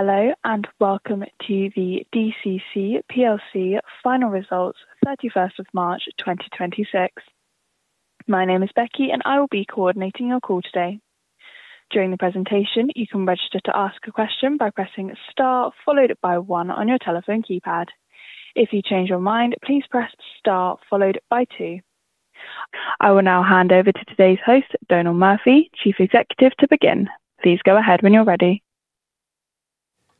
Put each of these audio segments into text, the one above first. Hello, welcome to the DCC plc Final Results 31st of March 2026. My name is Becky, and I will be coordinating your call today. During the presentation, you can register to ask a question by pressing star followed by one on your telephone keypad. If you change your mind, please press star followed by two. I will now hand over to today's host, Donal Murphy, Chief Executive, to begin. Please go ahead when you're ready.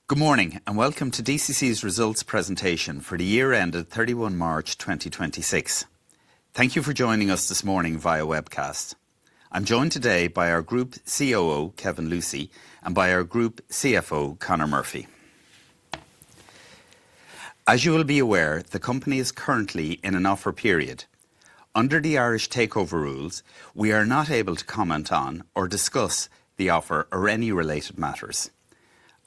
Good morning, welcome to DCC's results presentation for the year ended 31 March 2026. Thank you for joining us this morning via webcast. I'm joined today by our group COO, Kevin Lucey, and by our group CFO, Conor Murphy. As you will be aware, the company is currently in an offer period. Under the Irish Takeover Rules, we are not able to comment on or discuss the offer or any related matters.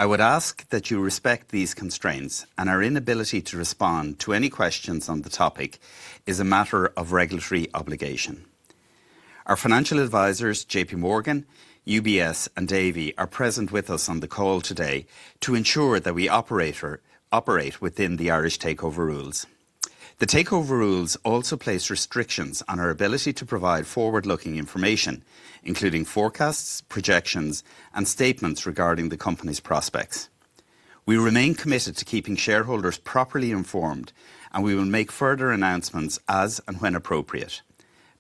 I would ask that you respect these constraints and our inability to respond to any questions on the topic is a matter of regulatory obligation. Our financial advisors, JPMorgan, UBS, and Davy, are present with us on the call today to ensure that we operate within the Irish Takeover Rules. The Takeover Rules also place restrictions on our ability to provide forward-looking information, including forecasts, projections, and statements regarding the company's prospects. We remain committed to keeping shareholders properly informed, and we will make further announcements as and when appropriate.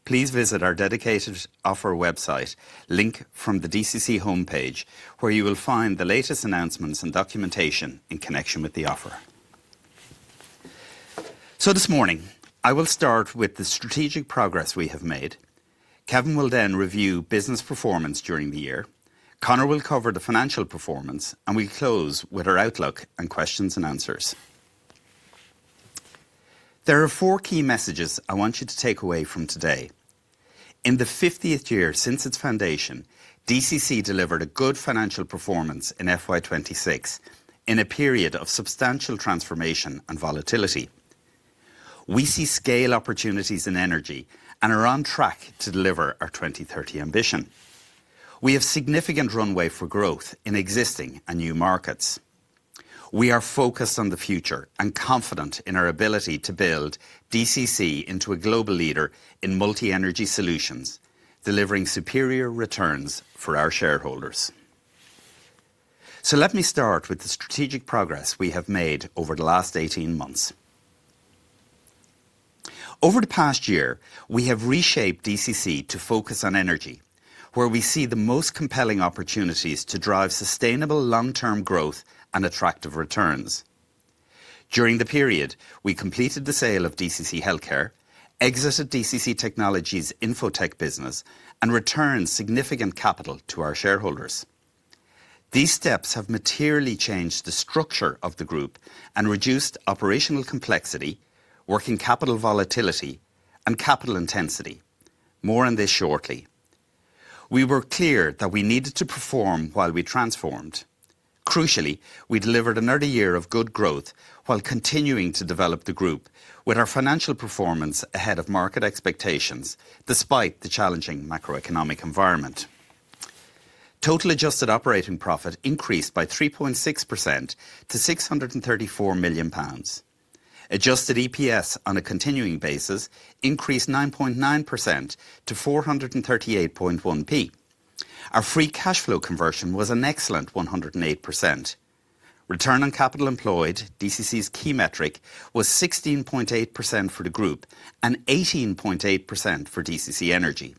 Please visit our dedicated offer website, link from the DCC homepage, where you will find the latest announcements and documentation in connection with the offer. This morning, I will start with the strategic progress we have made. Kevin will review business performance during the year. Conor will cover the financial performance, and we close with our outlook and questions and answers. There are four key messages I want you to take away from today. In the 50th year since its foundation, DCC delivered a good financial performance in FY 2026 in a period of substantial transformation and volatility. We see scale opportunities and energy and are on track to deliver our 2030 ambition. We have significant runway for growth in existing and new markets. We are focused on the future and confident in our ability to build DCC into a global leader in multi-energy solutions, delivering superior returns for our shareholders. Let me start with the strategic progress we have made over the last 18 months. Over the past year, we have reshaped DCC to focus on energy, where we see the most compelling opportunities to drive sustainable long-term growth and attractive returns. During the period, we completed the sale of DCC Healthcare, exited DCC Technology's Info Tech business, and returned significant capital to our shareholders. These steps have materially changed the structure of the group and reduced operational complexity, working capital volatility, and capital intensity. More on this shortly. We were clear that we needed to perform while we transformed. Crucially, we delivered another year of good growth while continuing to develop the group with our financial performance ahead of market expectations despite the challenging macroeconomic environment. Total adjusted operating profit increased by 3.6% to 634 million pounds. Adjusted EPS on a continuing basis increased 9.9% to 438.1. Our free cash flow conversion was an excellent 108%. Return on capital employed, DCC's key metric, was 16.8% for the group and 18.8% for DCC Energy.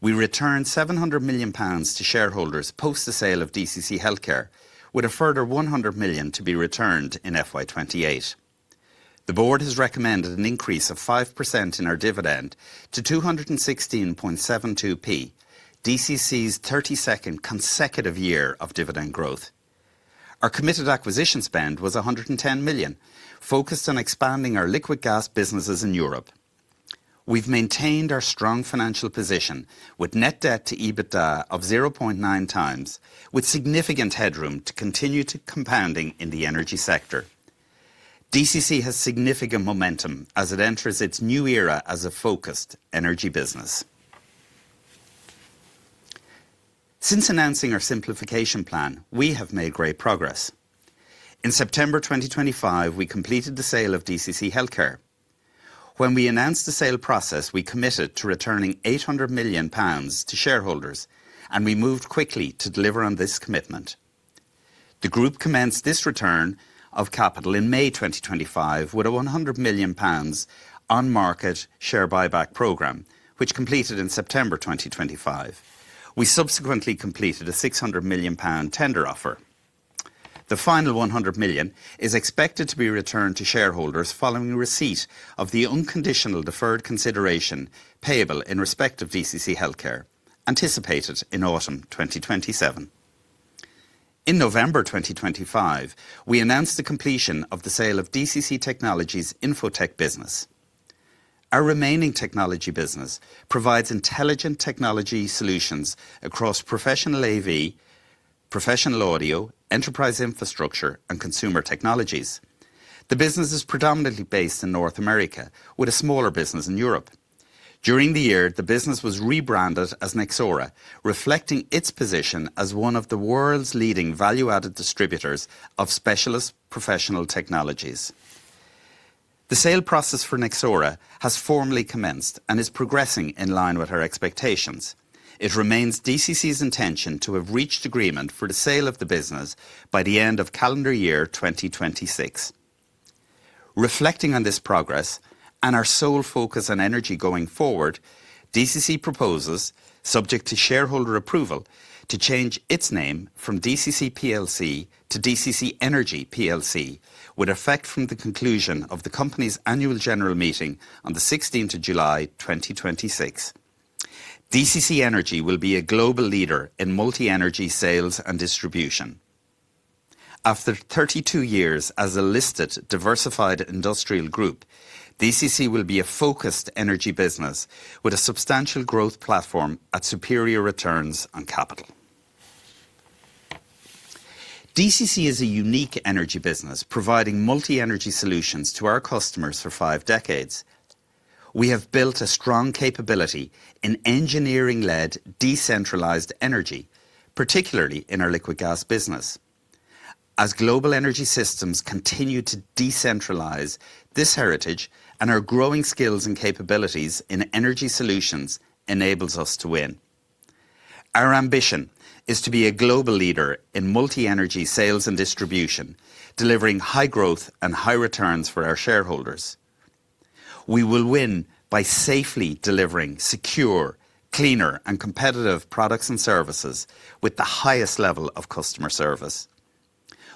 We returned 700 million pounds to shareholders post the sale of DCC Healthcare with a further 100 million to be returned in FY 2028. The board has recommended an increase of 5% in our dividend to 216.72, DCC's 32nd consecutive year of dividend growth. Our committed acquisition spend was 110 million, focused on expanding our liquid gas businesses in Europe. We've maintained our strong financial position with net debt to EBITDA of 0.9x, with significant headroom to continue to compounding in the energy sector. DCC has significant momentum as it enters its new era as a focused energy business. Since announcing our simplification plan, we have made great progress. In September 2025, we completed the sale of DCC Healthcare. When we announced the sale process, we committed to returning 800 million pounds to shareholders, and we moved quickly to deliver on this commitment. The group commenced this return of capital in May 2025 with a 100 million pounds on-market share buyback program, which completed in September 2025. We subsequently completed a 600 million pound tender offer. The final 100 million is expected to be returned to shareholders following receipt of the unconditional deferred consideration payable in respect of DCC Healthcare, anticipated in autumn 2027. In November 2025, we announced the completion of the sale of DCC Technology's Info Tech business. Our remaining technology business provides intelligent technology solutions across professional AV, professional audio, enterprise infrastructure, and consumer technologies. The business is predominantly based in North America with a smaller business in Europe. During the year, the business was rebranded as Nexora, reflecting its position as one of the world's leading value-added distributors of specialist professional technologies. The sale process for Nexora has formally commenced and is progressing in line with our expectations. It remains DCC's intention to have reached agreement for the sale of the business by the end of calendar year 2026. Reflecting on this progress and our sole focus on energy going forward, DCC proposes, subject to shareholder approval, to change its name from DCC plc to DCC Energy plc, with effect from the conclusion of the company's annual general meeting on the 16th of July, 2026. DCC Energy will be a global leader in multi-energy sales and distribution. After 32 years as a listed diversified industrial group, DCC will be a focused energy business with a substantial growth platform at superior returns on capital. DCC is a unique energy business providing multi-energy solutions to our customers for five decades.. We have built a strong capability in engineering-led decentralized energy, particularly in our liquid gas business. As global energy systems continue to decentralize, this heritage and our growing skills and capabilities in energy solutions enables us to win. Our ambition is to be a global leader in multi-energy sales and distribution, delivering high growth and high returns for our shareholders. We will win by safely delivering secure, cleaner and competitive products and services with the highest level of customer service.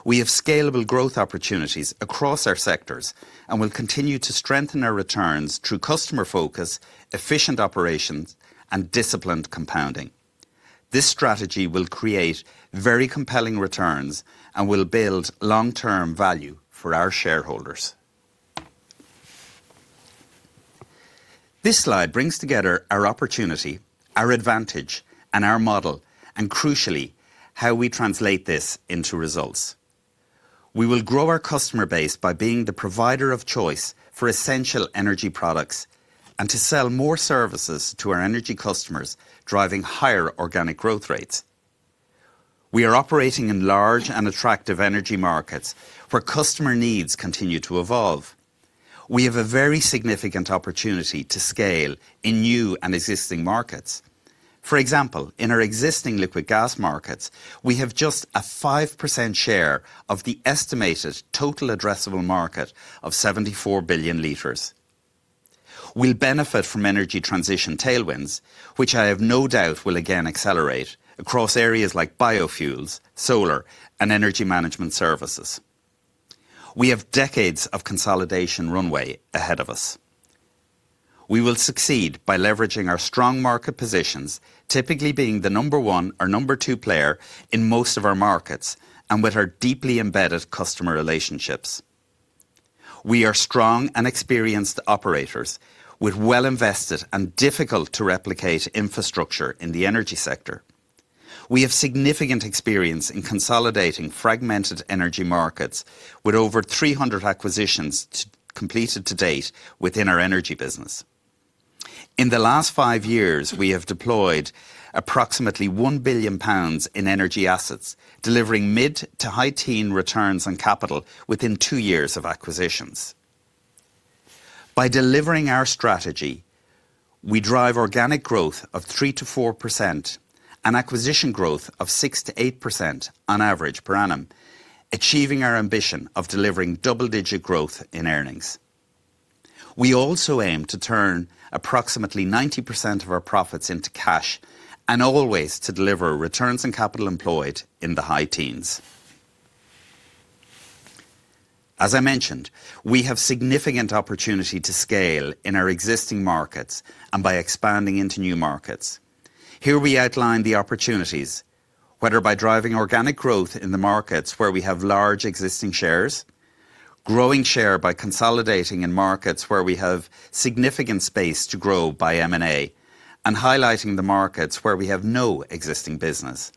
We have scalable growth opportunities across our sectors and will continue to strengthen our returns through customer focus, efficient operations, and disciplined compounding. This strategy will create very compelling returns and will build long-term value for our shareholders. This slide brings together our opportunity, our advantage, and our model, and crucially, how we translate this into results. We will grow our customer base by being the provider of choice for essential energy products and to sell more services to our energy customers, driving higher organic growth rates. We are operating in large and attractive energy markets where customer needs continue to evolve. We have a very significant opportunity to scale in new and existing markets. For example, in our existing liquid gas markets, we have just a 5% share of the estimated total addressable market of 74 billion liters. We'll benefit from energy transition tailwinds, which I have no doubt will again accelerate across areas like biofuels, solar, and energy management services. We have decades of consolidation runway ahead of us. We will succeed by leveraging our strong market positions, typically being the number one or number two player in most of our markets, and with our deeply embedded customer relationships. We are strong and experienced operators with well-invested and difficult-to-replicate infrastructure in the energy sector. We have significant experience in consolidating fragmented energy markets with over 300 acquisitions completed to date within our energy business. In the last five years, we have deployed approximately 1 billion pounds in energy assets, delivering mid to high teen returns on capital within two years of acquisitions. By delivering our strategy, we drive organic growth of 3%-4% and acquisition growth of 6%-8% on average per annum, achieving our ambition of delivering double-digit growth in earnings. We also aim to turn approximately 90% of our profits into cash and always to deliver returns on capital employed in the high teens. As I mentioned, we have significant opportunity to scale in our existing markets and by expanding into new markets. Here we outline the opportunities, whether by driving organic growth in the markets where we have large existing shares, growing share by consolidating in markets where we have significant space to grow by M&A, and highlighting the markets where we have no existing business.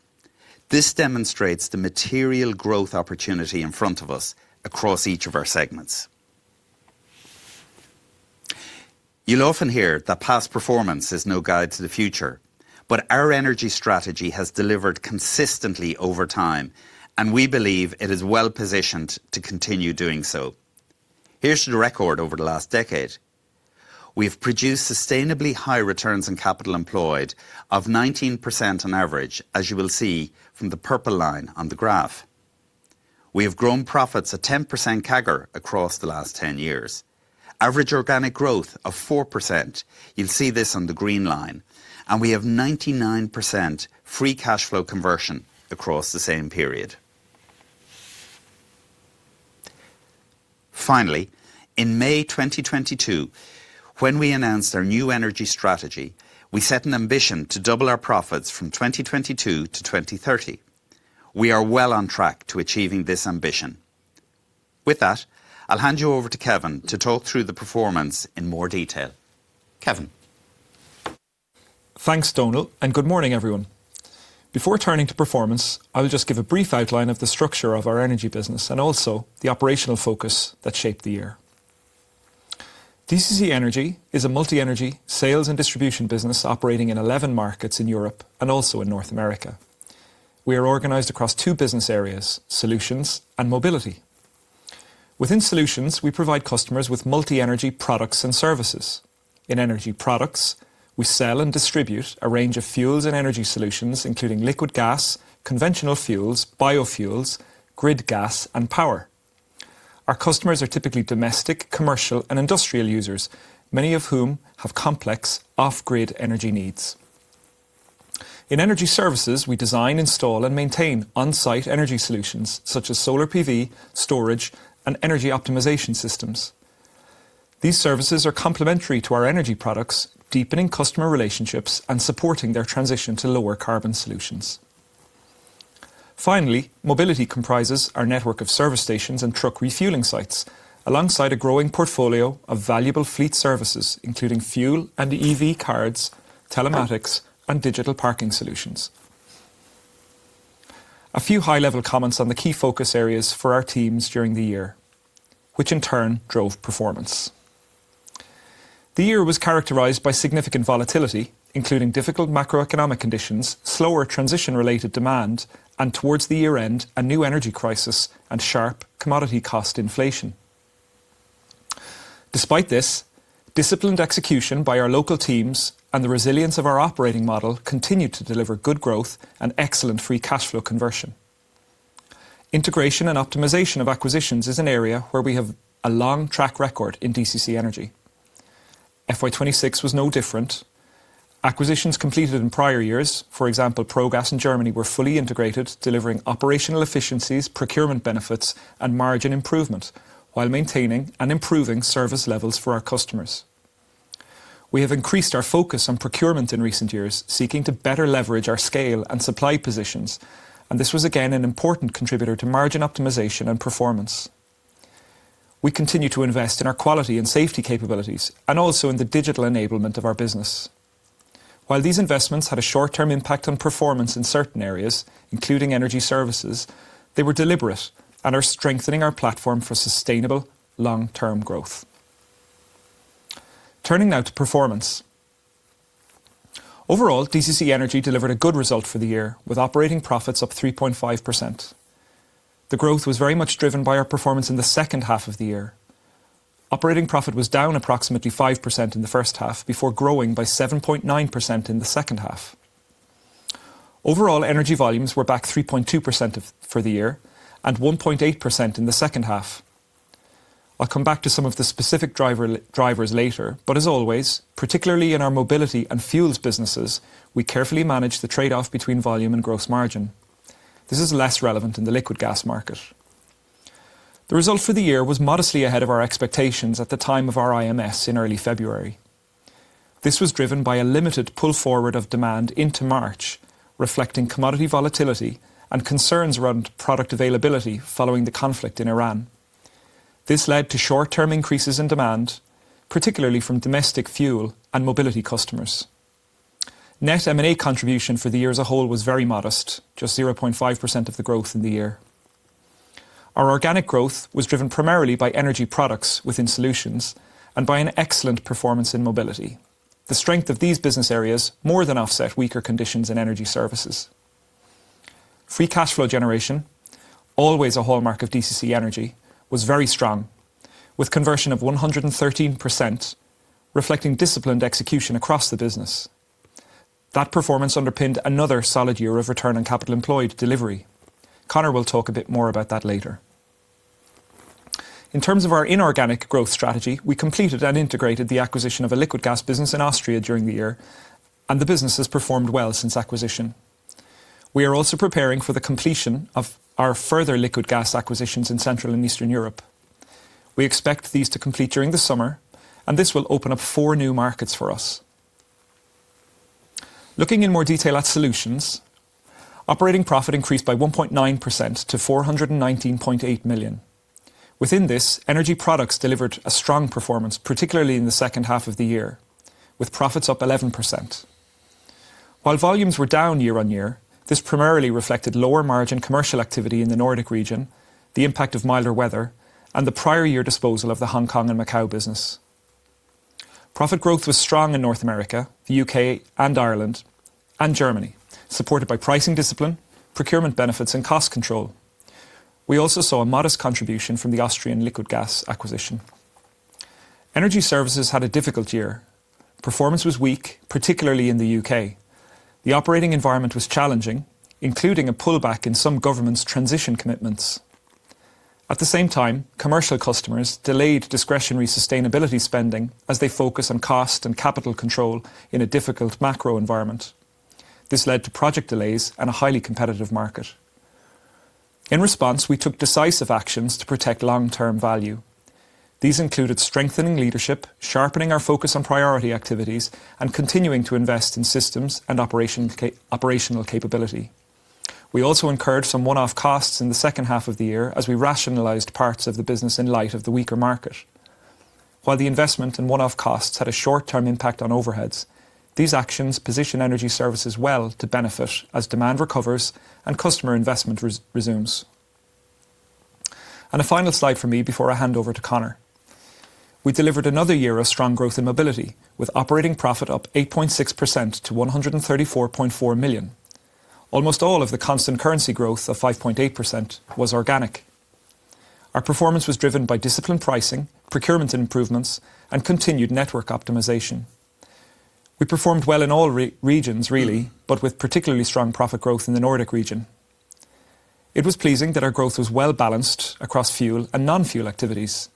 This demonstrates the material growth opportunity in front of us across each of our segments. You'll often hear that past performance is no guide to the future, but our energy strategy has delivered consistently over time, and we believe it is well-positioned to continue doing so. Here's the record over the last decade. We have produced sustainably high returns on capital employed of 19% on average, as you will see from the purple line on the graph. We have grown profits at 10% CAGR across the last 10 years. Average organic growth of 4%, you'll see this on the green line, and we have 99% free cash flow conversion across the same period. Finally, in May 2022, when we announced our new energy strategy, we set an ambition to double our profits from 2022 to 2030. We are well on track to achieving this ambition. With that, I'll hand you over to Kevin to talk through the performance in more detail. Kevin. Thanks, Donal, and good morning, everyone. Before turning to performance, I will just give a brief outline of the structure of our energy business and also the operational focus that shaped the year. DCC Energy is a multi-energy sales and distribution business operating in 11 markets in Europe and also in North America. We are organized across two business areas, Solutions and Mobility. Within Solutions, we provide customers with multi-energy products and services. In energy products, we sell and distribute a range of fuels and energy solutions, including liquid gas, conventional fuels, biofuels, grid gas, and power. Our customers are typically domestic, commercial, and industrial users, many of whom have complex off-grid energy needs. In energy services, we design, install, and maintain on-site energy solutions, such as solar PV, storage, and energy optimization systems. These services are complementary to our energy products, deepening customer relationships and supporting their transition to lower carbon solutions. Finally, Mobility comprises our network of service stations and truck refueling sites, alongside a growing portfolio of valuable fleet services, including fuel and EV cards, telematics, and digital parking solutions. A few high-level comments on the key focus areas for our teams during the year, which in turn drove performance. The year was characterized by significant volatility, including difficult macroeconomic conditions, slower transition-related demand, and towards the year-end, a new energy crisis and sharp commodity cost inflation. Despite this, disciplined execution by our local teams and the resilience of our operating model continued to deliver good growth and excellent free cash flow conversion. Integration and optimization of acquisitions is an area where we have a long track record in DCC Energy. FY 2026 was no different. Acquisitions completed in prior years, for example, PROGAS in Germany, were fully integrated, delivering operational efficiencies, procurement benefits, and margin improvement while maintaining and improving service levels for our customers. We have increased our focus on procurement in recent years, seeking to better leverage our scale and supply positions, and this was again an important contributor to margin optimization and performance. We continue to invest in our quality and safety capabilities and also in the digital enablement of our business. While these investments had a short-term impact on performance in certain areas, including energy services, they were deliberate and are strengthening our platform for sustainable long-term growth. Turning now to performance. Overall, DCC Energy delivered a good result for the year, with operating profits up 3.5%. The growth was very much driven by our performance in the second half of the year. Operating profit was down approximately 5% in the first half before growing by 7.9% in the second half. Overall, energy volumes were back 3.2% for the year and 1.8% in the second half. I'll come back to some of the specific drivers later, as always, particularly in our Mobility and fuels businesses, we carefully manage the trade-off between volume and gross margin. This is less relevant in the liquid gas market. The result for the year was modestly ahead of our expectations at the time of our IMS in early February. This was driven by a limited pull forward of demand into March, reflecting commodity volatility and concerns around product availability following the conflict in Iran. This led to short-term increases in demand, particularly from domestic fuel and Mobility customers. Net M&A contribution for the year as a whole was very modest, just 0.5% of the growth in the year. Our organic growth was driven primarily by energy products within Solutions and by an excellent performance in Mobility. The strength of these business areas more than offset weaker conditions in energy services. Free cash flow generation, always a hallmark of DCC Energy, was very strong, with conversion of 113%, reflecting disciplined execution across the business. That performance underpinned another solid year of return on capital employed delivery. Conor will talk a bit more about that later. In terms of our inorganic growth strategy, we completed and integrated the acquisition of a liquid gas business in Austria during the year, and the business has performed well since acquisition. We are also preparing for the completion of our further liquid gas acquisitions in Central and Eastern Europe. We expect these to complete during the summer, and this will open up four new markets for us. Looking in more detail at Solutions, operating profit increased by 1.9% to 419.8 million. Within this, energy products delivered a strong performance, particularly in the second half of the year, with profits up 11%. While volumes were down year-on-year, this primarily reflected lower margin commercial activity in the Nordic region, the impact of milder weather, and the prior year disposal of the Hong Kong and Macau business. Profit growth was strong in North America, the U.K. and Ireland, and Germany, supported by pricing discipline, procurement benefits, and cost control. We also saw a modest contribution from the Austrian liquid gas acquisition. Energy services had a difficult year. Performance was weak, particularly in the U.K. The operating environment was challenging, including a pullback in some governments' transition commitments. At the same time, commercial customers delayed discretionary sustainability spending as they focus on cost and capital control in a difficult macro environment. This led to project delays and a highly competitive market. In response, we took decisive actions to protect long-term value. These included strengthening leadership, sharpening our focus on priority activities, and continuing to invest in systems and operational capability. We also incurred some one-off costs in the second half of the year as we rationalized parts of the business in light of the weaker market. While the investment in one-off costs had a short-term impact on overheads, these actions position energy services well to benefit as demand recovers and customer investment resumes. A final slide for me before I hand over to Conor. We delivered another year of strong growth in Mobility, with operating profit up 8.6% to 134.4 million. Almost all of the constant currency growth of 5.8% was organic. Our performance was driven by disciplined pricing, procurement improvements, and continued network optimization. We performed well in all regions really, but with particularly strong profit growth in the Nordic region. It was pleasing that our growth was well-balanced across fuel and non-fuel activities.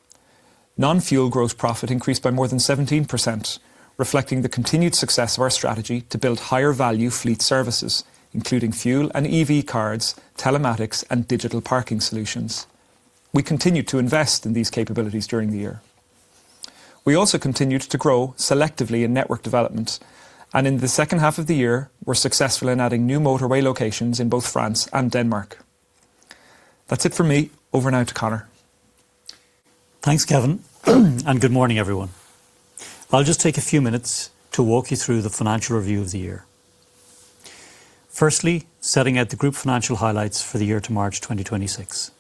Non-fuel growth profit increased by more than 17%, reflecting the continued success of our strategy to build higher value fleet services, including fuel and EV cards, telematics, and digital parking solutions. We continued to invest in these capabilities during the year. We also continued to grow selectively in network development, and in the second half of the year, were successful in adding new motorway locations in both France and Denmark. That's it from me. Over now to Conor. Thanks, Kevin. Good morning, everyone. I'll just take a few minutes to walk you through the financial review of the year. Firstly, setting out the group financial highlights for the year to March 2026.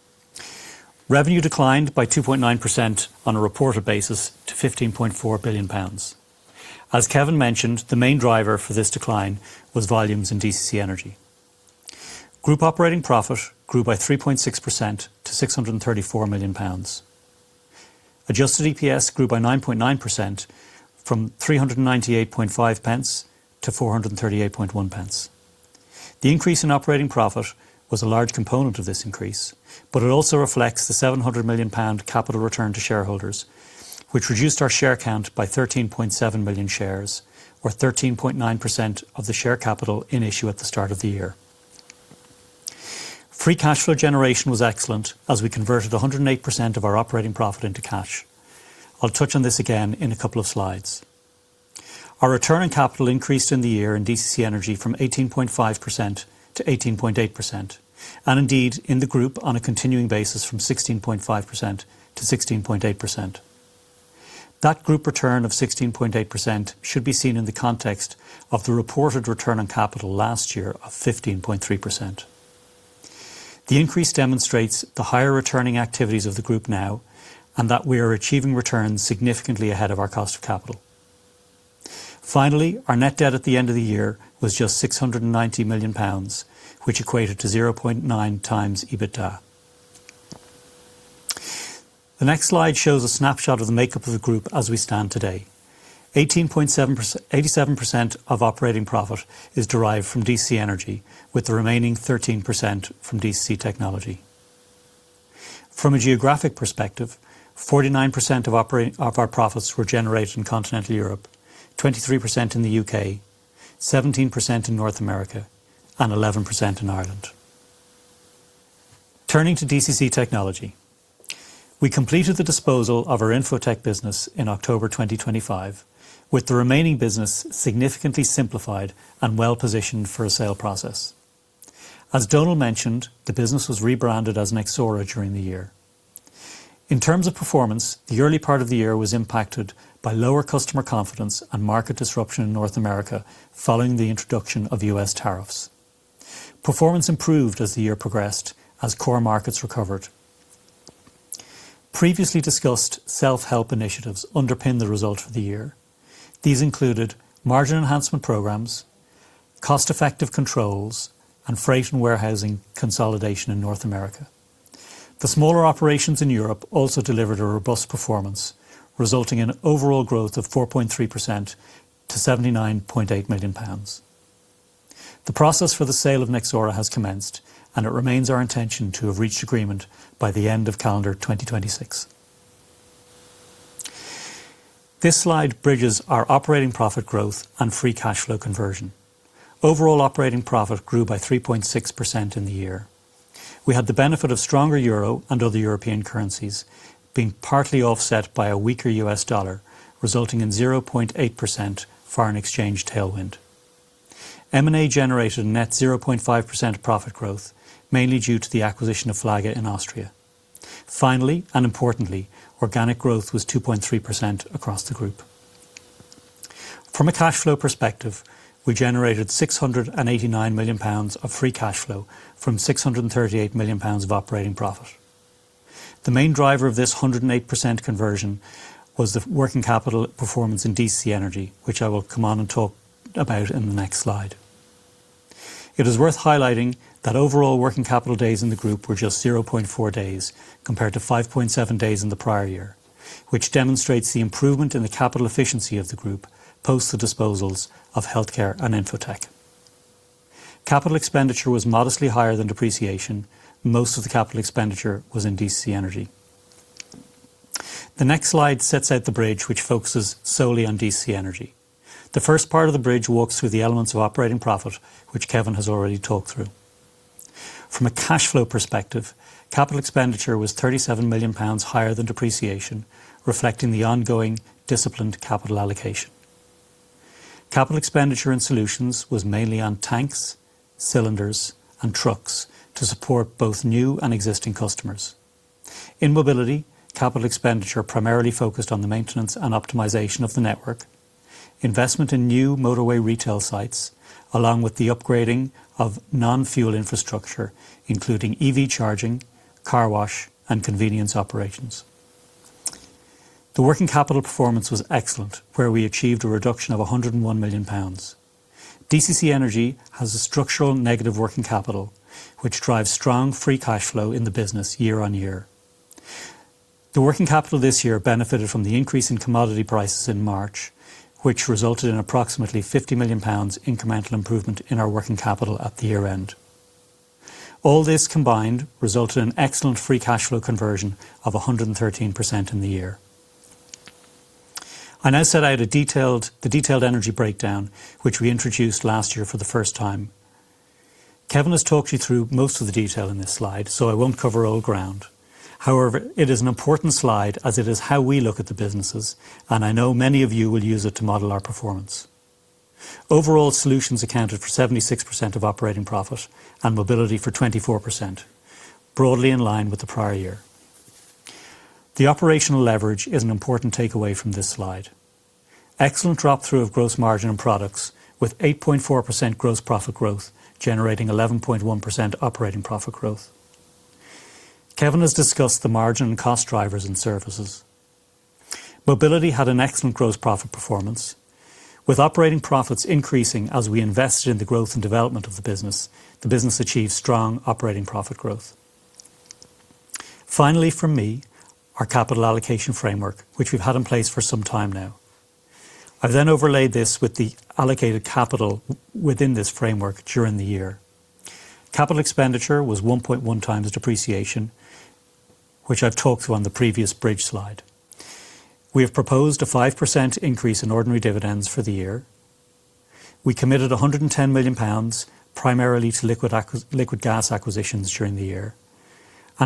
Revenue declined by 2.9% on a reported basis to 15.4 billion pounds. As Kevin mentioned, the main driver for this decline was volumes in DCC Energy. Group operating profit grew by 3.6% to 634 million pounds. Adjusted EPS grew by 9.9% from 398.5 to 438.1. The increase in operating profit was a large component of this increase, but it also reflects the 700 million pound capital return to shareholders, which reduced our share count by 13.7 million shares, or 13.9% of the share capital in issue at the start of the year. Free cash flow generation was excellent, as we converted 108% of our operating profit into cash. I'll touch on this again in a couple of slides. Our return on capital increased in the year in DCC Energy from 18.5% to 18.8%, and indeed in the group on a continuing basis from 16.5% to 16.8%. That group return of 16.8% should be seen in the context of the reported return on capital last year of 15.3%. The increase demonstrates the higher returning activities of the group now and that we are achieving returns significantly ahead of our cost of capital. Finally, our net debt at the end of the year was just 690 million pounds, which equated to 0.9x EBITDA. The next slide shows a snapshot of the makeup of the group as we stand today. 87% of operating profit is derived from DCC Energy, with the remaining 13% from DCC Technology. From a geographic perspective, 49% of our profits were generated in Continental Europe, 23% in the U.K., 17% in North America, and 11% in Ireland. Turning to DCC Technology, we completed the disposal of our Info Tech business in October 2025, with the remaining business significantly simplified and well-positioned for a sale process. As Donal mentioned, the business was rebranded as Nexora during the year. In terms of performance, the early part of the year was impacted by lower customer confidence and market disruption in North America following the introduction of U.S. tariffs. Performance improved as the year progressed, as core markets recovered. Previously discussed self-help initiatives underpinned the result of the year. These included margin enhancement programs, cost-effective controls, and freight and warehousing consolidation in North America. The smaller operations in Europe also delivered a robust performance, resulting in overall growth of 4.3% to 79.8 million pounds. The process for the sale of Nexora has commenced, and it remains our intention to have reached agreement by the end of calendar 2026. This slide bridges our operating profit growth and free cash flow conversion. Overall operating profit grew by 3.6% in the year. We had the benefit of stronger euro and other European currencies being partly offset by a weaker U.S. dollar, resulting in 0.8% foreign exchange tailwind. M&A generated net 0.5% profit growth, mainly due to the acquisition of FLAGA in Austria. Finally, and importantly, organic growth was 2.3% across the group. From a cash flow perspective, we generated 689 million pounds of free cash flow from 638 million pounds of operating profit. The main driver of this 108% conversion was the working capital performance in DCC Energy, which I will come on and talk about in the next slide. It is worth highlighting that overall working capital days in the group were just 0.4 days, compared to 5.7 days in the prior year, which demonstrates the improvement in the capital efficiency of the group post the disposals of DCC Healthcare and Info Tech. Capital expenditure was modestly higher than depreciation. Most of the capital expenditure was in DCC Energy. The next slide sets out the bridge, which focuses solely on DCC Energy. The first part of the bridge walks through the elements of operating profit, which Kevin has already talked through. From a cash flow perspective, capital expenditure was 37 million pounds higher than depreciation, reflecting the ongoing disciplined capital allocation. Capital expenditure and Solutions was mainly on tanks, cylinders, and trucks to support both new and existing customers. In Mobility, capital expenditure primarily focused on the maintenance and optimization of the network, investment in new motorway retail sites, along with the upgrading of non-fuel infrastructure, including EV charging, car wash, and convenience operations. The working capital performance was excellent, where we achieved a reduction of 101 million pounds. DCC Energy has a structural negative working capital, which drives strong free cash flow in the business year-on-year. The working capital this year benefited from the increase in commodity prices in March, which resulted in approximately 50 million pounds incremental improvement in our working capital at the year-end. All this combined resulted in excellent free cash flow conversion of 113% in the year. I now set out the detailed energy breakdown, which we introduced last year for the first time. Kevin has talked you through most of the detail in this slide, so I won't cover old ground. However, it is an important slide as it is how we look at the businesses, and I know many of you will use it to model our performance. Overall, Solutions accounted for 76% of operating profit and Mobility for 24%, broadly in line with the prior year. The operational leverage is an important takeaway from this slide. Excellent drop through of gross margin and products with 8.4% gross profit growth generating 11.1% operating profit growth. Kevin has discussed the margin and cost drivers and services. Mobility had an excellent gross profit performance. With operating profits increasing as we invested in the growth and development of the business, the business achieved strong operating profit growth. Finally, from me, our capital allocation framework, which we've had in place for some time now. I've then overlaid this with the allocated capital within this framework during the year. Capital expenditure was 1.1x depreciation, which I've talked through on the previous bridge slide. We have proposed a 5% increase in ordinary dividends for the year. We committed 110 million pounds primarily to liquid gas acquisitions during the year.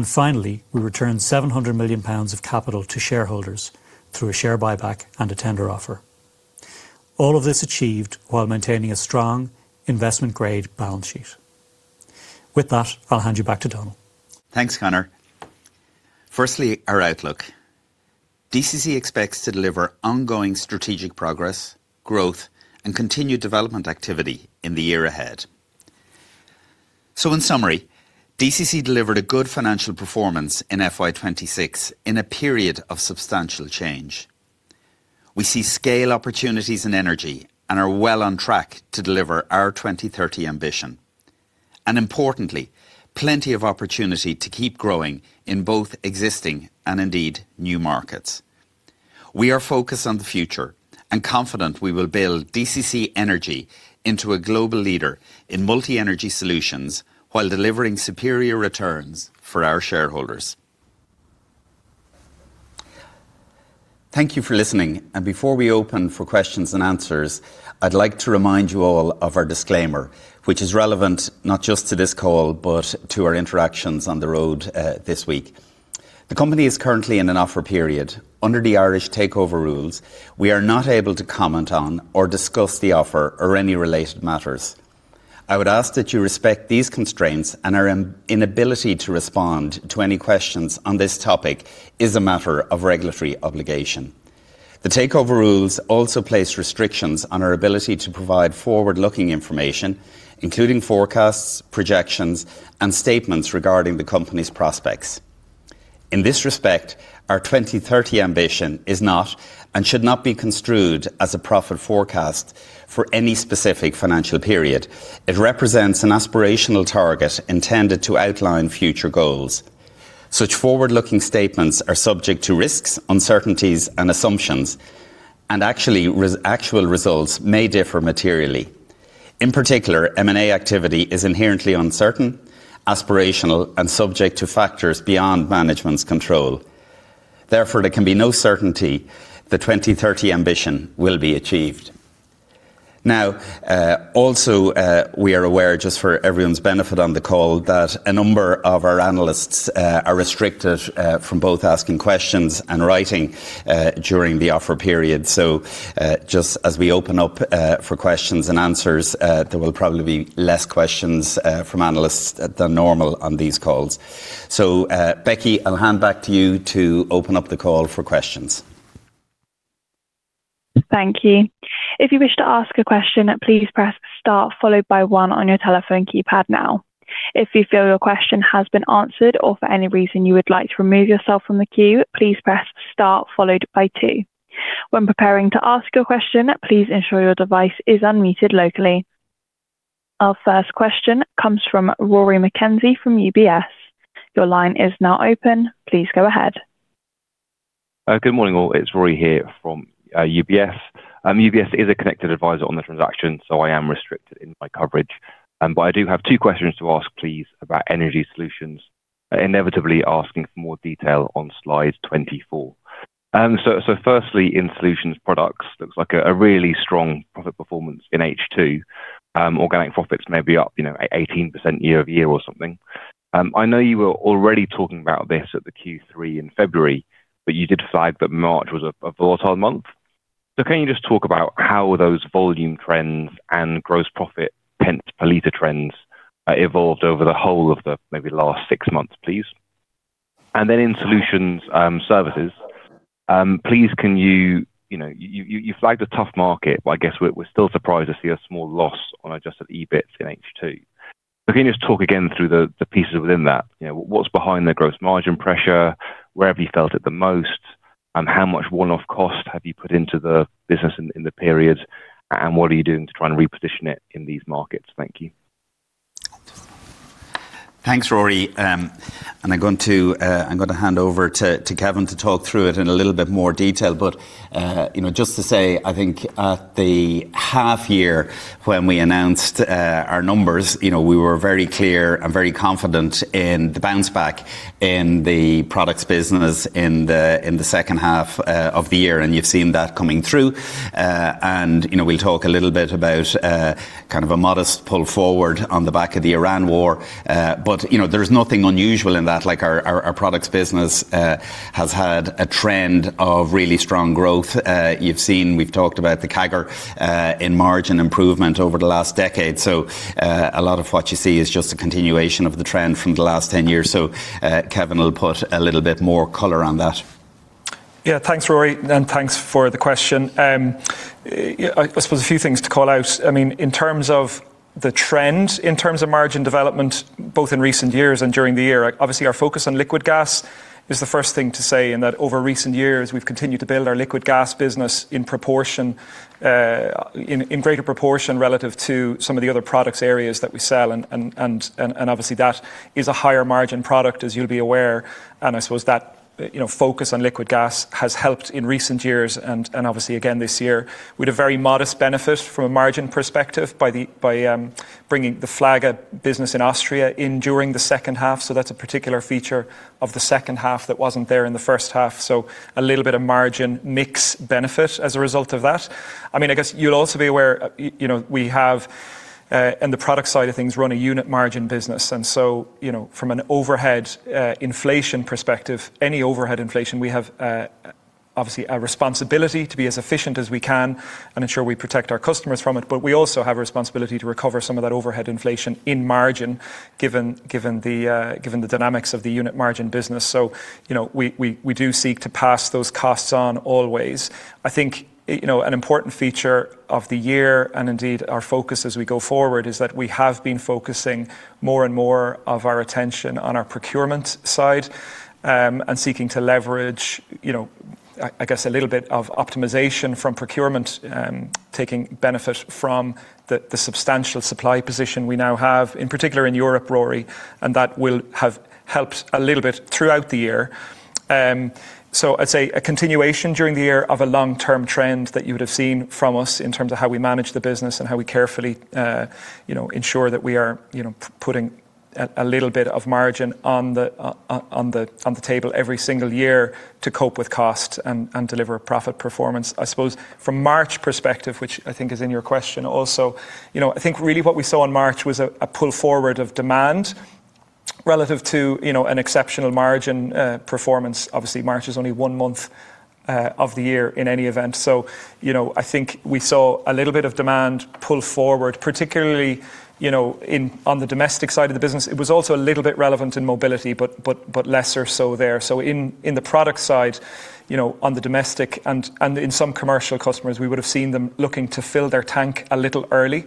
Finally, we returned 700 million pounds of capital to shareholders through a share buyback and a tender offer. All of this achieved while maintaining a strong investment-grade balance sheet. With that, I'll hand you back to Donal. Thanks, Conor. Our outlook. DCC expects to deliver ongoing strategic progress, growth, and continued development activity in the year ahead. In summary, DCC delivered a good financial performance in FY 2026 in a period of substantial change. We see scale opportunities in energy and are well on track to deliver our 2030 ambition. Importantly, plenty of opportunity to keep growing in both existing and indeed new markets. We are focused on the future and confident we will build DCC Energy into a global leader in multi-energy solutions while delivering superior returns for our shareholders. Thank you for listening. Before we open for questions and answers, I'd like to remind you all of our disclaimer, which is relevant not just to this call, but to our interactions on the road this week. The company is currently in an offer period. Under the Irish Takeover Rules, we are not able to comment on or discuss the offer or any related matters. I would ask that you respect these constraints and our inability to respond to any questions on this topic is a matter of regulatory obligation. The Takeover Rules also place restrictions on our ability to provide forward-looking information, including forecasts, projections, and statements regarding the company's prospects. In this respect, our 2030 ambition is not and should not be construed as a profit forecast for any specific financial period. It represents an aspirational target intended to outline future goals. Such forward-looking statements are subject to risks, uncertainties and assumptions, actually actual results may differ materially. In particular, M&A activity is inherently uncertain, aspirational, and subject to factors beyond management's control. There can be no certainty the 2030 ambition will be achieved. Also, we are aware, just for everyone's benefit on the call, that a number of our analysts are restricted from both asking questions and writing during the offer period. Just as we open up for questions and answers, there will probably be less questions from analysts than normal on these calls. Becky, I'll hand back to you to open up the call for questions. Our first question comes from Rory McKenzie from UBS. Your line is now open. Please go ahead. Good morning, all. It's Rory here from UBS. UBS is a connected advisor on the transaction, so I am restricted in my coverage. But I do have two questions to ask, please, about energy solutions, inevitably asking for more detail on slide 24. Firstly, in Solutions products, looks like a really strong profit performance in H2. Organic profits may be up, you know, 18% year-over-year or something. I know you were already talking about this at the Q3 in February, but you did flag that March was a volatile month. Can you just talk about how those volume trends and gross profit pence per litre trends evolved over the whole of the maybe last six months, please? In Solutions and services, please can you, you know, you flagged a tough market, but I guess we're still surprised to see a small loss on adjusted EBIT in H2. Can you just talk again through the pieces within that? You know, what's behind the gross margin pressure? Where have you felt it the most? How much one-off cost have you put into the business in the period? What are you doing to try and reposition it in these markets? Thank you. Thanks, Rory. I'm going to hand over to Kevin to talk through it in a little bit more detail. You know, just to say, I think at the half-year when we announced our numbers, you know, we were very clear and very confident in the bounce back in the products business in the second half of the year, and you've seen that coming through. You know, we'll talk a little bit about kind of a modest pull forward on the back of the Iran war. You know, there's nothing unusual in that. Like our products business has had a trend of really strong growth. You've seen, we've talked about the CAGR in margin improvement over the last decade. A lot of what you see is just a continuation of the trend from the last 10 years. Kevin will put a little bit more color on that. Thanks, Rory. Thanks for the question. I suppose a few things to call out. I mean, in terms of the trend, in terms of margin development, both in recent years and during the year, obviously our focus on liquid gas is the first thing to say, in that over recent years, we've continued to build our liquid gas business in proportion, in greater proportion relative to some of the other products areas that we sell, and obviously that is a higher margin product, as you'll be aware. I suppose that, you know, focus on liquid gas has helped in recent years and obviously again this year. We had a very modest benefit from a margin perspective by the FLAGA business in Austria in during the second half, that's a particular feature of the second half that wasn't there in the first half. A little bit of margin mix benefit as a result of that. I mean, I guess you'll also be aware, you know, we have in the product side of things, run a unit margin business, you know, from an overhead inflation perspective, any overhead inflation, we have obviously a responsibility to be as efficient as we can and ensure we protect our customers from it, but we also have a responsibility to recover some of that overhead inflation in margin given the dynamics of the unit margin business. You know, we do seek to pass those costs on always. I think, you know, an important feature of the year, and indeed our focus as we go forward, is that we have been focusing more and more of our attention on our procurement side, and seeking to leverage, you know, I guess a little bit of optimization from procurement, taking benefit from the substantial supply position we now have, in particular in Europe, Rory, and that will have helped a little bit throughout the year. I'd say a continuation during the year of a long-term trend that you would have seen from us in terms of how we manage the business and how we carefully, you know, ensure that we are, you know, putting a little bit of margin on the table every single year to cope with costs and deliver a profit performance. I suppose from March perspective, which I think is in your question also, you know, I think really what we saw in March was a pull forward of demand relative to, you know, an exceptional margin performance. Obviously, March is only one month of the year in any event. You know, I think we saw a little bit of demand pull forward, particularly, you know, on the domestic side of the business. It was also a little bit relevant in Mobility, but lesser so there. In the product side, you know, on the domestic and in some commercial customers, we would have seen them looking to fill their tank a little early.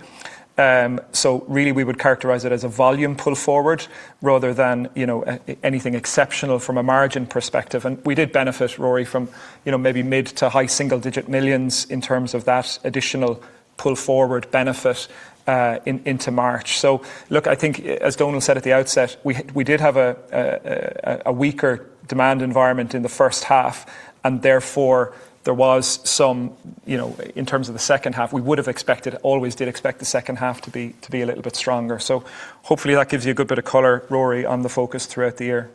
Really we would characterize it as a volume pull forward rather than, you know, anything exceptional from a margin perspective. We did benefit, Rory, from, you know, maybe GBP mid to high single digit millions in terms of that additional pull forward benefit into March. Look, I think as Donal said at the outset, we did have a weaker demand environment in the first half. Therefore, there was some, you know, in terms of the second half, we would have expected, always did expect the second half to be a little bit stronger. Hopefully that gives you a good bit of color, Rory, on the focus throughout the year.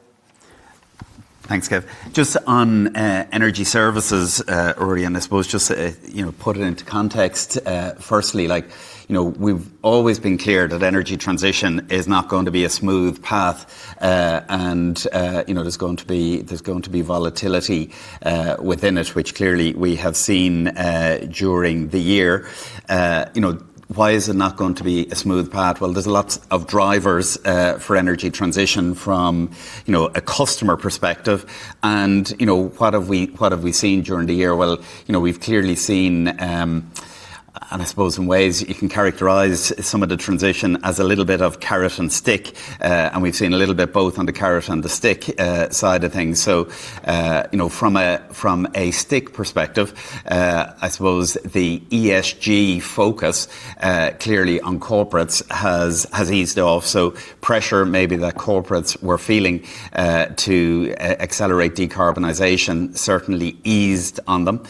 Thanks, Kev. Just on energy services, Rory, and I suppose just, you know, put it into context. Firstly, like, you know, we've always been clear that energy transition is not going to be a smooth path. You know, there's going to be volatility within it, which clearly we have seen during the year. You know, why is it not going to be a smooth path? Well, there's lots of drivers for energy transition from, you know, a customer perspective. You know, what have we seen during the year? Well, you know, we've clearly seen. I suppose, in ways, you can characterize some of the transition as a little bit of carrot and stick, and we've seen a little bit both on the carrot and the stick side of things. You know, from a stick perspective, I suppose the ESG focus clearly on corporates has eased off, so pressure maybe that corporates were feeling to accelerate decarbonization certainly eased on them.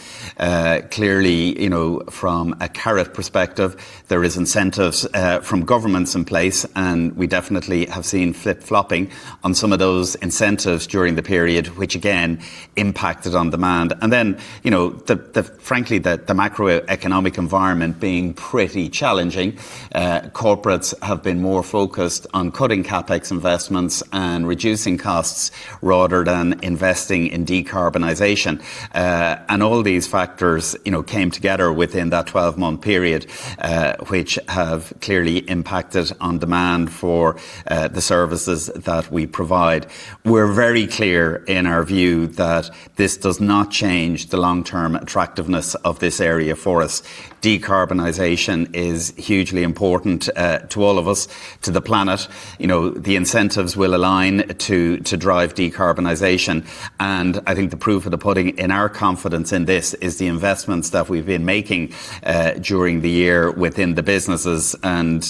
Clearly, you know, from a carrot perspective, there is incentives from governments in place, we definitely have seen flip-flopping on some of those incentives during the period, which again, impacted on demand. You know, the, frankly, the macroeconomic environment being pretty challenging, corporates have been more focused on cutting CapEx investments and reducing costs rather than investing in decarbonization. All these factors, you know, came together within that 12-month period, which have clearly impacted on demand for the services that we provide. We're very clear in our view that this does not change the long-term attractiveness of this area for us. Decarbonization is hugely important to all of us, to the planet. You know, the incentives will align to drive decarbonization. I think the proof of the pudding in our confidence in this is the investments that we've been making, during the year within the businesses, and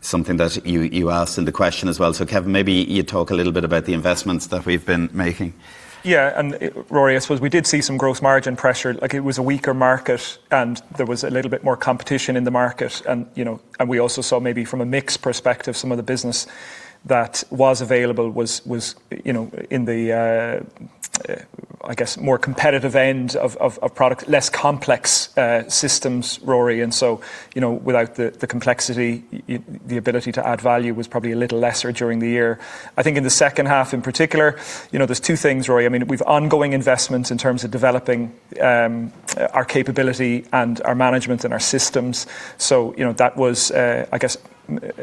something that you asked in the question as well. Kevin, maybe you talk a little bit about the investments that we've been making. Yeah. Rory, I suppose we did see some gross margin pressure. Like, it was a weaker market, and there was a little bit more competition in the market and, you know, and we also saw maybe from a mix perspective, some of the business that was available was, you know, in the, I guess, more competitive end of products, less complex systems, Rory. You know, without the complexity, the ability to add value was probably a little lesser during the year. I think in the second half, in particular, you know, there's two things, Rory. I mean, with ongoing investments in terms of developing our capability and our management and our systems. You know, that was, I guess,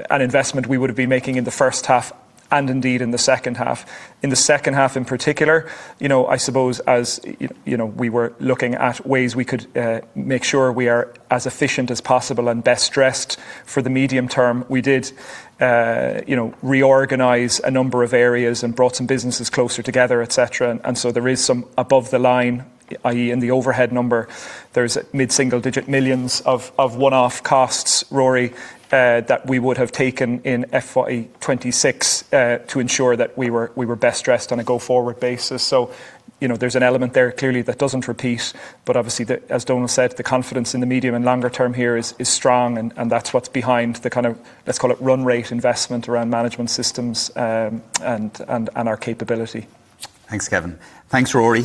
an investment we would be making in the first half and indeed in the second half. In the second half, in particular, you know, I suppose as, you know, we were looking at ways we could make sure we are as efficient as possible and best dressed for the medium term. We did, you know, reorganize a number of areas and brought some businesses closer together, et cetera. There is some above the line, i.e., in the overhead number, there's mid-single digit millions of one-off costs, Rory, that we would have taken in FY 2026, to ensure that we were best dressed on a go-forward basis. You know, there's an element there clearly that doesn't repeat, but obviously the as Donal said, the confidence in the medium and longer term here is strong and that's what's behind the kind of, let's call it, run rate investment around management systems, and our capability. Thanks, Kevin. Thanks, Rory.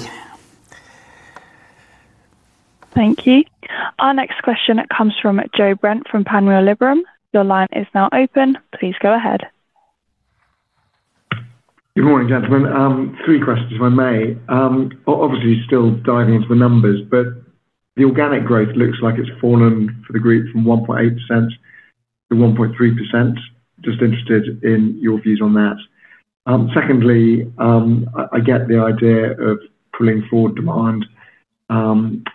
Thank you. Our next question comes from Joe Brent from Panmure Liberum. Your line is now open. Please go ahead. Good morning, gentlemen. Three questions, if I may. Obviously still diving into the numbers, the organic growth looks like it's fallen for the group from 1.8% to 1.3%. Just interested in your views on that. Secondly, I get the idea of pulling forward demand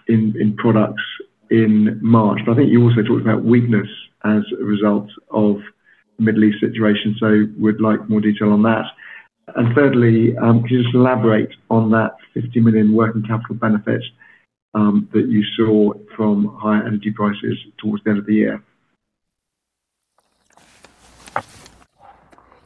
in products in March, I think you also talked about weakness as a result of Middle East situation, would like more detail on that. Thirdly, could you just elaborate on that 50 million working capital benefit that you saw from higher energy prices towards the end of the year?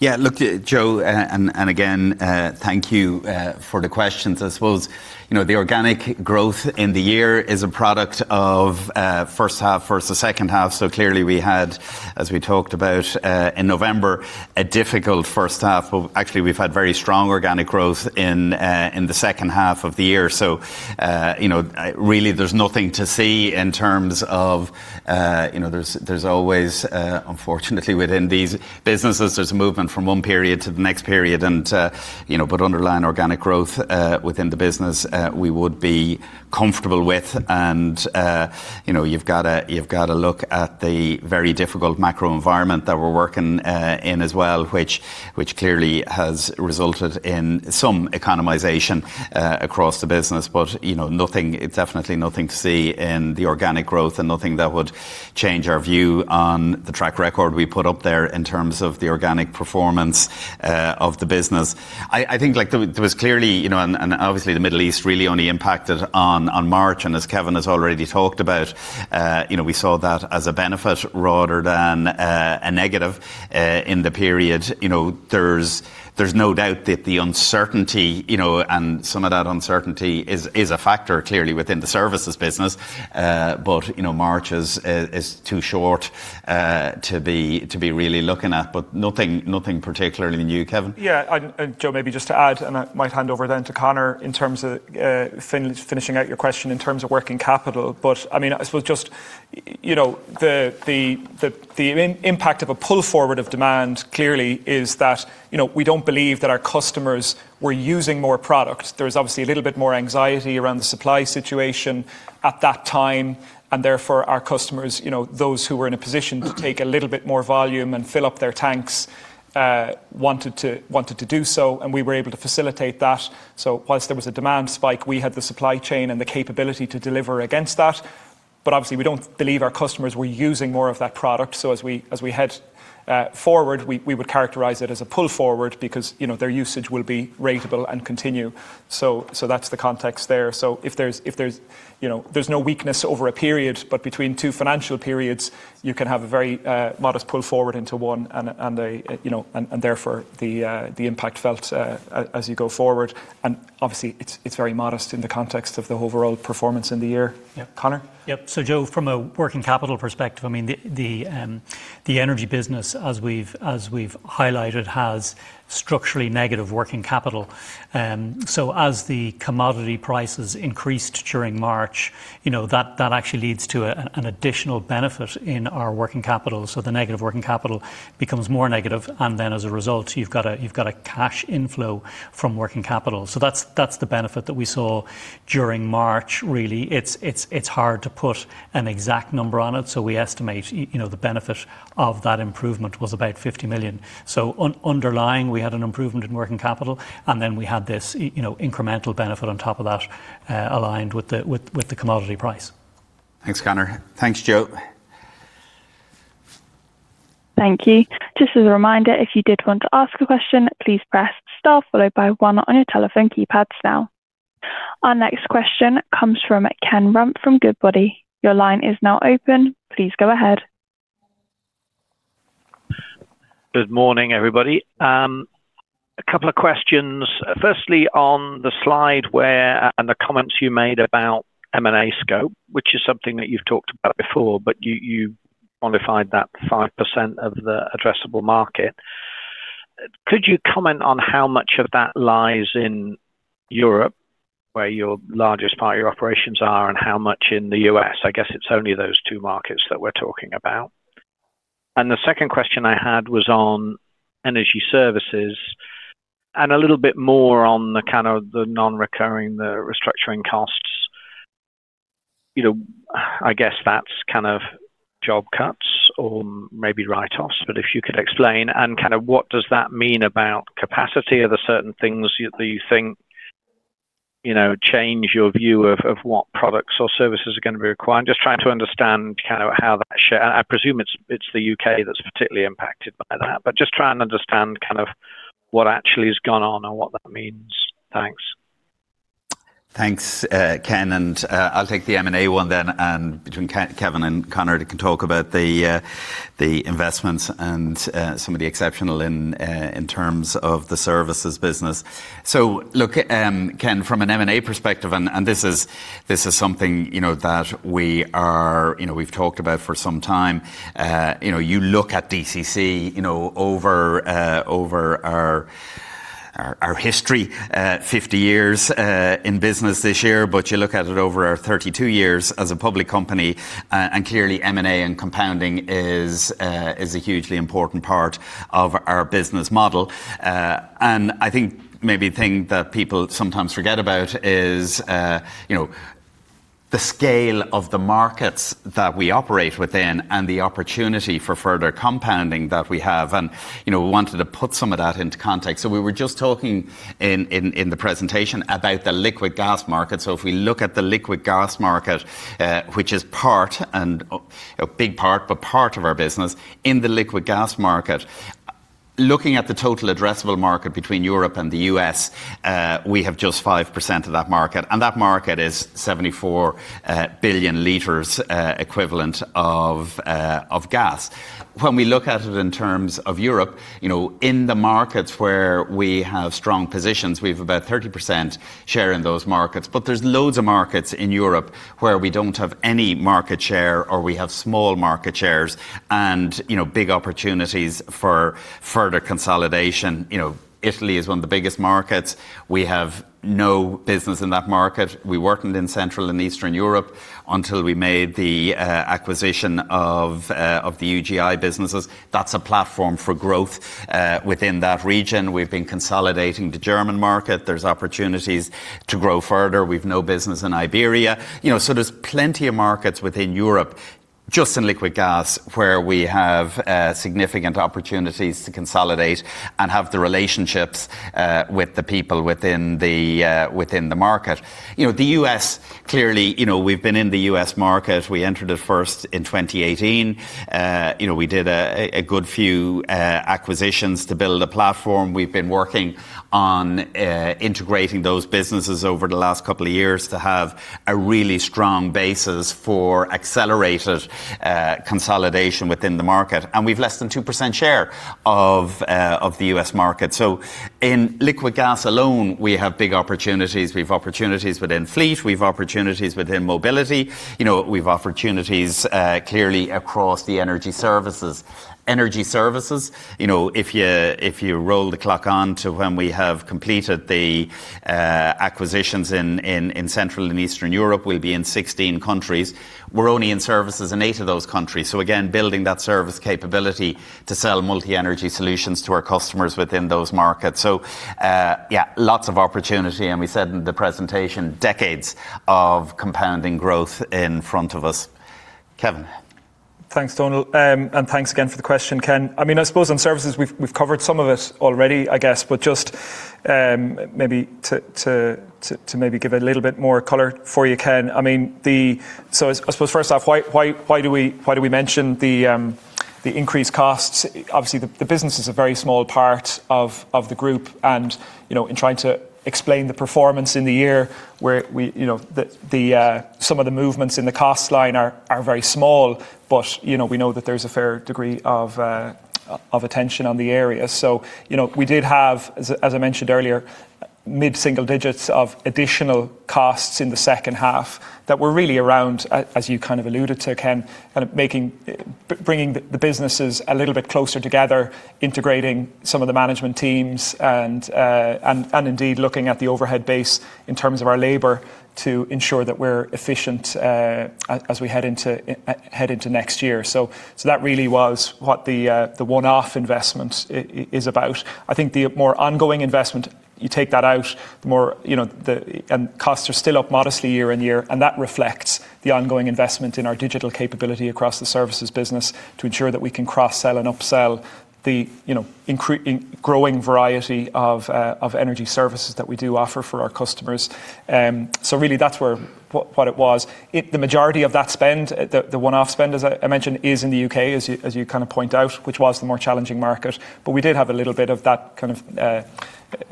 Look, Joe, again, thank you for the questions. I suppose, you know, the organic growth in the year is a product of first half versus the second half. Clearly we had, as we talked about, in November, a difficult first half. Well, actually, we've had very strong organic growth in the second half of the year. Really there's nothing to see in terms of, you know, there's always, unfortunately within these businesses, movement from one period to the next period. Underlying organic growth within the business, we would be comfortable with. You know, you've gotta look at the very difficult macro environment that we're working in as well, which clearly has resulted in some economization across the business. You know, nothing, definitely nothing to see in the organic growth and nothing that would change our view on the track record we put up there in terms of the organic performance of the business. There was clearly, you know, obviously, the Middle East really only impacted on March. As Kevin has already talked about, you know, we saw that as a benefit rather than a negative in the period. You know, there's no doubt that the uncertainty, you know, and some of that uncertainty is a factor clearly within the services business. You know, March is too short to be really looking at. Nothing particularly new. Kevin? Yeah. Joe, maybe just to add, I might hand over then to Conor in terms of finishing out your question in terms of working capital. I mean, I suppose just, you know, the impact of a pull forward of demand clearly is that, you know, we don't believe that our customers were using more product. There was obviously a little bit more anxiety around the supply situation at that time, therefore our customers, you know, those who were in a position to take a little bit more volume and fill up their tanks, wanted to do so, and we were able to facilitate that. Obviously, we don't believe our customers were using more of that product. As we head forward, we would characterize it as a pull forward because, you know, their usage will be ratable and continue. That's the context there. If there's, you know, there's no weakness over a period, but between two financial periods, you can have a very modest pull forward into one, and, you know, and therefore the impact felt as you go forward. Obviously, it's very modest in the context of the overall performance in the year. Yeah. Conor? Joe, from a working capital perspective, I mean, the energy business as we've highlighted, has structurally negative working capital. As the commodity prices increased during March, you know, that actually leads to an additional benefit in our working capital. The negative working capital becomes more negative, as a result, you've got a cash inflow from working capital. That's the benefit that we saw during March really. It's hard to put an exact number on it, we estimate, you know, the benefit of that improvement was about 50 million. Underlying, we had an improvement in working capital, we had this, you know, incremental benefit on top of that, aligned with the commodity price. Thanks, Conor. Thanks, Joe. Thank you. Just as a reminder, if you did want to ask a question, please press star followed by one on your telephone keypads now. Our next question comes from Ken Rumph from Goodbody. Your line is now open. Please go ahead. Good morning, everybody. A couple of questions. Firstly, on the slide where, and the comments you made about M&A scope, which is something that you've talked about before, but you modified that 5% of the addressable market. Could you comment on how much of that lies in Europe, where your largest part of your operations are, and how much in the U.S.? I guess it's only those two markets that we're talking about. The second question I had was on energy services and a little bit more on the kind of the non-recurring, the restructuring costs. You know, I guess that's kind of job cuts or maybe write-offs. If you could explain, and kind of what does that mean about capacity? Are there certain things you think, you know, change your view of what products or services are gonna be required? I'm just trying to understand kind of how that share I presume it's the U.K. that's particularly impacted by that. Just try and understand kind of what actually has gone on and what that means. Thanks. Thanks, Ken. I'll take the M&A one then, and between Kevin and Conor can talk about the investments and some of the exceptional in terms of the services business. Look, Ken, from an M&A perspective, and this is something, you know, that we are, you know, we've talked about for some time. You know, you look at DCC, you know, over our history, 50 years in business this year. You look at it over our 32 years as a public company, and clearly M&A and compounding is a hugely important part of our business model. I think maybe the thing that people sometimes forget about is, you know, the scale of the markets that we operate within and the opportunity for further compounding that we have. You know, we wanted to put some of that into context. We were just talking in the presentation about the liquid gas market. If we look at the liquid gas market, which is a big part, but part of our business. In the liquid gas market, looking at the total addressable market between Europe and the U.S., we have just 5% of that market, and that market is 74 billion liters equivalent of gas. When we look at it in terms of Europe, you know, in the markets where we have strong positions, we've about 30% share in those markets. There's loads of markets in Europe where we don't have any market share or we have small market shares and, you know, big opportunities for further consolidation. You know, Italy is one of the biggest markets. We have no business in that market. We weren't in Central and Eastern Europe until we made the acquisition of the UGI businesses. That's a platform for growth within that region. We've been consolidating the German market. There's opportunities to grow further. We've no business in Iberia. You know, there's plenty of markets within Europe, just in liquid gas, where we have significant opportunities to consolidate and have the relationships with the people within the market. You know, the U.S. clearly, you know, we've been in the U.S. market. We entered it first in 2018. You know, we did a good few acquisitions to build a platform. We've been working on integrating those businesses over the last couple of years to have a really strong basis for accelerated consolidation within the market. We've less than 2% share of the U.S. market. In liquid gas alone, we have big opportunities. We have opportunities within fleet. We have opportunities within Mobility. We've opportunities clearly across the energy services. Energy services, if you roll the clock on to when we have completed the acquisitions in Central and Eastern Europe, we'll be in 16 countries. We're only in services in eight of those countries. Again, building that service capability to sell multi-energy solutions to our customers within those markets. Yeah, lots of opportunity, and we said in the presentation, decades of compounding growth in front of us. Kevin? Thanks, Donal. Thanks again for the question, Ken. I mean, I suppose on services, we've covered some of it already, I guess, but just maybe to give a little bit more color for you, Ken. I mean, I suppose first off, why do we mention the increased costs? Obviously the business is a very small part of the group, and, you know, in trying to explain the performance in the year where we, you know, the movements in the cost line are very small, but, you know, we know that there's a fair degree of attention on the area. You know, we did have, as I mentioned earlier, mid-single digits of additional costs in the second half that were really around, as you kind of alluded to, Ken, kind of making, bringing the businesses a little bit closer together, integrating some of the management teams and indeed looking at the overhead base in terms of our labor to ensure that we're efficient as we head into next year. That really was what the one-off investment is about. I think the more ongoing investment, you take that out, the more, you know, the costs are still up modestly year-on-year, and that reflects the ongoing investment in our digital capability across the services business to ensure that we can cross-sell and up-sell the, you know, growing variety of energy services that we do offer for our customers. Really that's where what it was. The majority of that spend, the one-off spend, as I mentioned, is in the U.K., as you kind of point out, which was the more challenging market. We did have a little bit of that kind of,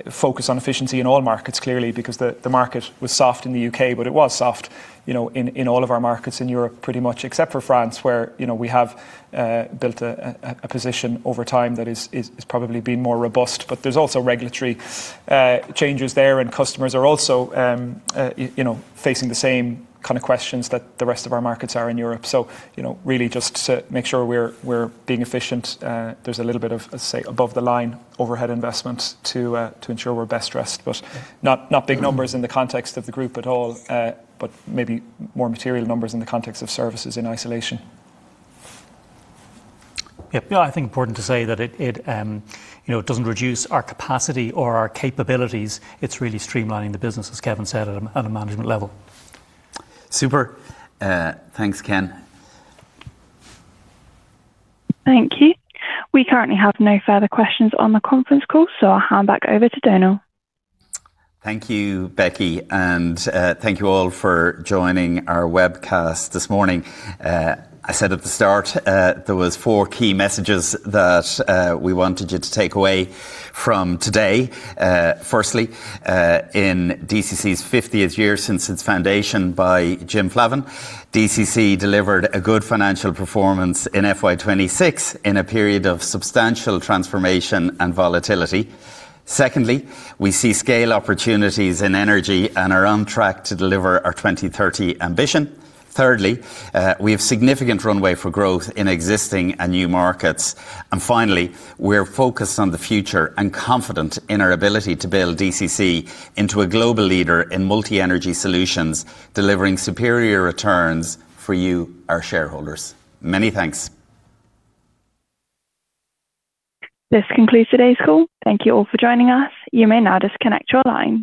focus on efficiency in all markets, clearly, because the market was soft in the U.K., but it was soft, you know, in all of our markets in Europe, pretty much, except for France, where, you know, we have built a position over time that has probably been more robust. There's also regulatory, changes there, and customers are also, you know, facing the same kind of questions that the rest of our markets are in Europe. You know, really just to make sure we're being efficient. There's a little bit of, let's say, above the line overhead investment to ensure we're best dressed. Not big numbers in the context of the group at all, but maybe more material numbers in the context of services in isolation. Yeah, I think important to say that it, you know, it doesn't reduce our capacity or our capabilities. It's really streamlining the business, as Kevin said, at a management level. Super. Thanks, Ken. Thank you. We currently have no further questions on the conference call, so I'll hand back over to Donal. Thank you, Becky. Thank you all for joining our webcast this morning. I said at the start, there was four key messages that we wanted you to take away from today. Firstly, in DCC's 50th year since its foundation by Jim Flavin, DCC delivered a good financial performance in FY 2026 in a period of substantial transformation and volatility. Secondly, we see scale opportunities in energy and are on track to deliver our 2030 ambition. Thirdly, we have significant runway for growth in existing and new markets. Finally, we're focused on the future and confident in our ability to build DCC into a global leader in multi-energy solutions, delivering superior returns for you, our shareholders. Many thanks. This concludes today's call. Thank you all for joining us. You may now disconnect your line.